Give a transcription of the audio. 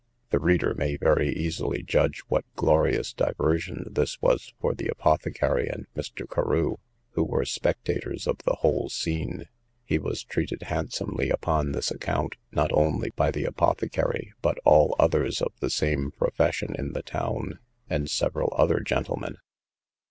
The reader may very easily judge what glorious diversion this was for the apothecary and Mr. Carew, who were spectators of the whole scene. He was treated handsomely upon this account, not only by the apothecary, but all others of the same profession in the town, and several other gentlemen.